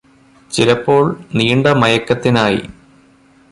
ചിലപ്പോള് നീണ്ട മയക്കത്തിനായി